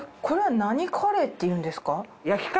これは何カレーっていうんですか？